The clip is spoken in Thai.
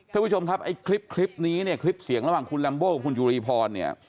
ทุกผู้ชมครับไอ้คลิปนี้คลิปเสียงระหว่างคุณเรมโบ้คุณจุฬิพร